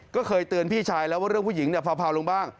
ก็เคยเตือนพี่ชายแล้วว่าเรื่องผู้หญิงเผาลงบ้าง